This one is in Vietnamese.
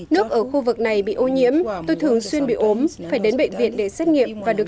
nước ở khu vực này bị ô nhiễm tôi thường xuyên bị ốm phải đến bệnh viện để xét nghiệm và được